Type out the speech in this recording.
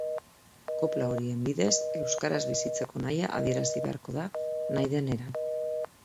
Kopla horien bidez, euskaraz bizitzeko nahia adierazi beharko da nahi den eran.